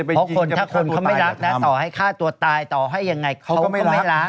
เพราะคนถ้าคนเขาไม่รักนะต่อให้ฆ่าตัวตายต่อให้ยังไงเขาก็ไม่รัก